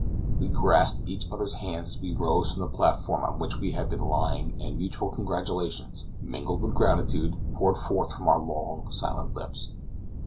We grasped each other's hands as we rose from the platform on which we had been lying, and mutual congratulations, mingled with gratitude, poured forth from our long silent lips.